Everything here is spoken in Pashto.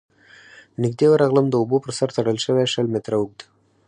، نږدې ورغلم، د اوبو پر سر تړل شوی شل متره اوږد،